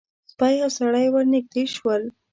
سپی او سړی ور نږدې شول.